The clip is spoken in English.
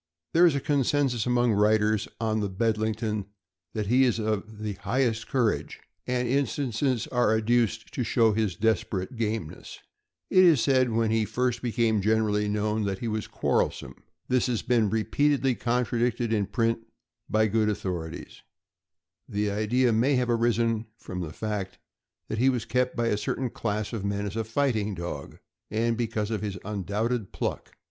There is a consensus among writers on the Bedlington that he is of the highest courage, and instances are adduced to show his desperate gameness. It was said when he first BEDLINGTON TERRIER SYRUP H. Owned by W. H. Russell, 55 East Sixty eighth street, New York City. became generally known that he was quarrelsome. This has been repeatedly contradicted in print by good authori ties. The idea may have arisen from the fact that he was kept by a certain class of men as a fighting dog, and because of his undoubted pluck.